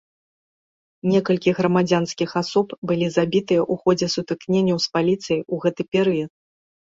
Некалькі грамадзянскіх асоб былі забітыя ў ходзе сутыкненняў з паліцыяй у гэты перыяд.